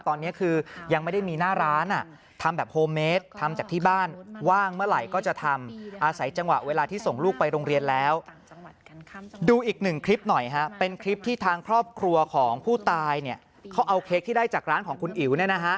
ผู้ตายเนี่ยเขาเอาเค้กที่ได้จากร้านของคุณอิ๋วเนี่ยนะฮะ